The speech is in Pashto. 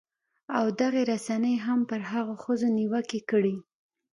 او دغې رسنۍ هم پر هغو ښځو نیوکې کړې